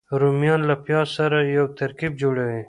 رومیان له پیاز سره یو ترکیب جوړوي